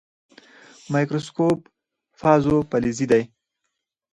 مایکروسکوپ بازو فلزي دی.